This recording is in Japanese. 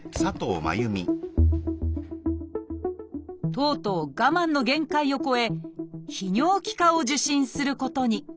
とうとう我慢の限界を超え泌尿器科を受診することに。